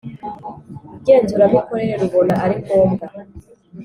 Ngenzuramikorere rubona ari ngombwa